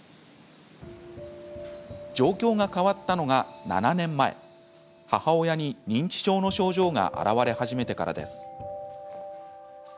状況が変わったのが７年前母親に認知症の症状が現れ始めてからです。